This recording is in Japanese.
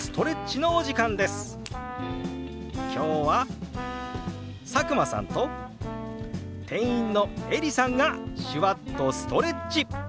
今日は佐久間さんと店員のエリさんが手話っとストレッチ！